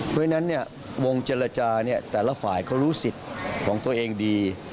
ด้วยนั้นเนี่ยวงเจรจาเนี่ยแต่ละฝ่ายเขารู้สิทธิ์ของตัวเองดี